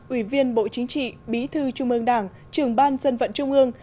ủy viên bộ chính trị bí thư trung ương đảng trường ban dân vận trung ương